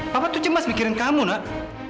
bapak tuh cembah mikirin kamu nak